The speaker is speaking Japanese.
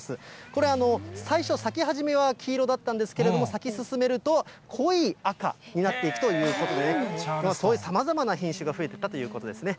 これ、最初、咲き始めは黄色だったんですけれども、咲き進めると濃い赤になっていくということで、そういうさまざまな品種が増えていったということですね。